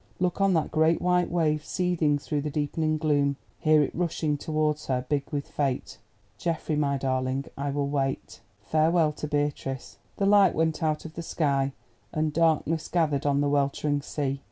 Look on that great white wave seething through the deepening gloom; hear it rushing towards her, big with fate. "Geoffrey, my darling—I will wait——" Farewell to Beatrice! The light went out of the sky and darkness gathered on the weltering sea.